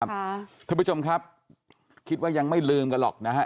ท่านผู้ชมครับคิดว่ายังไม่ลืมกันหรอกนะฮะ